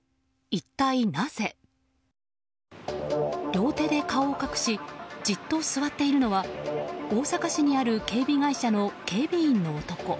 両手で顔を隠しじっと座っているのは大阪市にある警備会社の警備員の男。